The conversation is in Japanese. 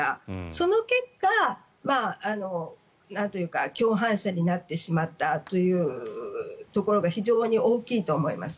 その結果、共犯者になってしまったというところが非常に大きいと思います。